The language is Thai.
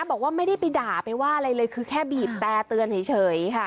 บอกว่าไม่ได้ไปด่าไปว่าอะไรเลยคือแค่บีบแต่เตือนเฉยค่ะ